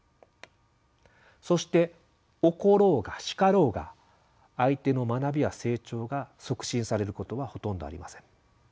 そして怒ろうが叱ろうが相手の学びや成長が促進されることはほとんどありません。